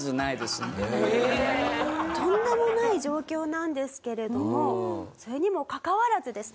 とんでもない状況なんですけれどもそれにもかかわらずですね